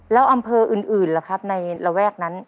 แล้วอำเภออื่นล่ะครับในระแวกนั้น